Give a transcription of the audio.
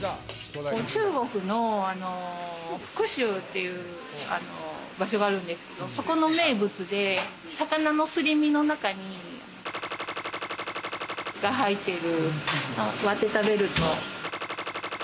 中国の福州っていう場所があるんですけど、そこの名物で、魚のすり身の中にが入っている。